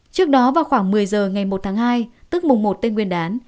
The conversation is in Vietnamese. trước đó vào khoảng một mươi giờ ngày một tháng hai tức mùng một tết nguyên đán